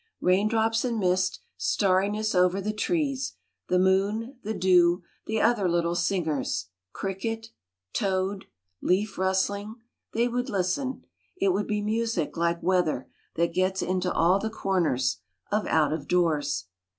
Raindrops and mist, starriness over the trees, The moon, the dew, the other little singers, Cricket ... toad ... leaf rustling ... They would listen: It would be music like weather That gets into all the corners Of out of doors.